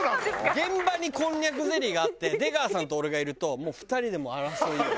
現場にこんにゃくゼリーがあって出川さんと俺がいるともう２人で争いよ。